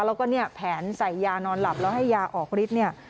แล้วก็แผนใส่ยานอนหลับแล้วให้ยาออกฤทธิ์